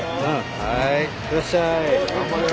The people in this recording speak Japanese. はいいってらっしゃい。